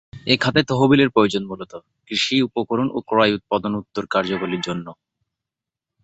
এ খাতে তহবিলের প্রয়োজন মূলত: কৃষি উপকরণ ও ক্রয় উৎপাদন উত্তর কার্যাবলীর জন্য।